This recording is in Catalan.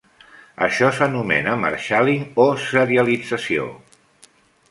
Això s'anomena "marshalling" o serialització.